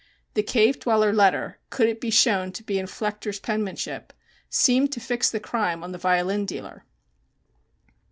The "Cave Dweller" letter, could it be shown to be in Flechter's penmanship, seemed to fix the crime on the violin dealer.